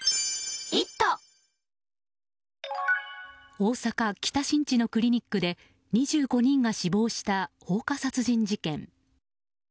大阪・北新地のクリニックで２５人が死亡した放火殺人事件。